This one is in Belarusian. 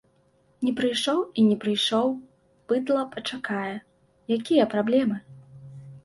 Не прыйшоў і не прыйшоў, быдла пачакае, якія праблемы?